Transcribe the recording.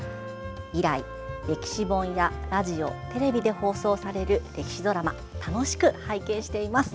以来、歴史本やラジオテレビで放送される歴史ドラマ楽しく拝見しています。